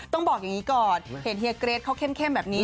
ต้องบอกอย่างนี้ก่อนเห็นเฮียเกรทเขาเข้มแบบนี้